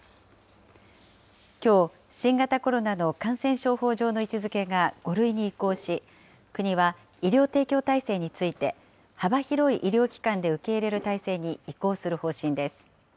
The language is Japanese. きょう、新型コロナの感染症法上の位置づけが５類に移行し、国は医療提供体制について幅広い医療機関で受け入れる体制に移行する方針です。